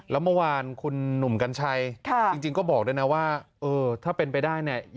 แล้วเมื่อวานคุณหนุ่มกัญชัยจริงก็บอกด้วยนะว่าถ้าเป็นไปได้เนี่ย